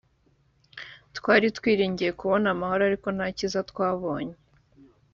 twari twiringiye kubona amahoro ariko nta cyiza twabonye